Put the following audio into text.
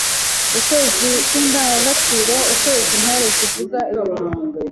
l. Ukwezi kw’Indangagaciro: Ukwezi Intore zivuga ibigwi